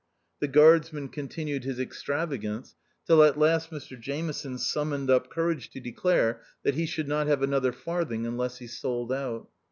The Guardsman continued his extra 172 THE OUTCAST. vagance, till at last Mr Jameson summoned up courage to declare that he should not have another farthing unless he sold out.